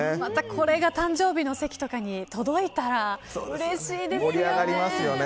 これが誕生日の席とかに届いたらうれしいですよね。